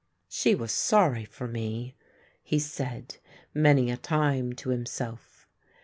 " She was sorry for me," he said many a time to him self.